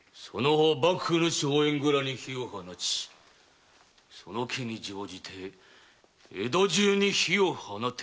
幕府の硝煙蔵に火を放ちその機に乗じて江戸中に火を放て！